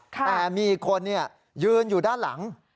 แต่มีคนยืนอยู่ด้านหลัง